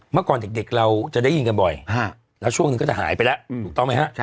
เมื่อก่อนเด็กเราจะได้ยินกันบ่อยแล้วช่วงหนึ่งก็จะหายไปแล้วถูกต้องไหมฮะ